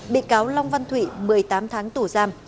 bị cáo long văn thụy một mươi tám tháng tù giam